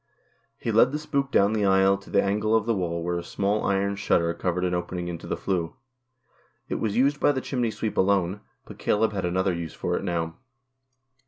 He led the spook down the aisle to the angle of the wall where a small iron shutter covered an opening into the flue. It was used by the chimney sweep alone, but Caleb had another use for it now.